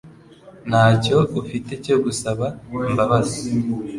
Ntacyo ufite cyo gusaba imbabazi